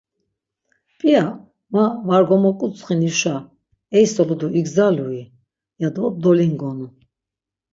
P̌ia ma var gomoǩuntsxinuşa eiselu do igzalui? ya do dolingonu.